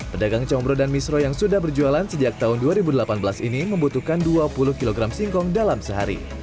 pedagang combro dan misro yang sudah berjualan sejak tahun dua ribu delapan belas ini membutuhkan dua puluh kg singkong dalam sehari